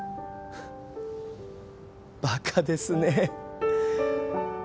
バカですね。